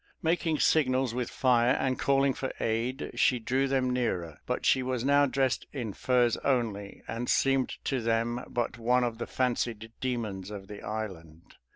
Making signals with fire and calling for aid, she drew them nearer; but she was now dressed in furs only, and seemed to them but one of the fancied demons of the island.